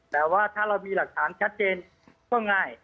แต่ว่าถ้าเรามีหลักฐานชัดเจนก็ง่าย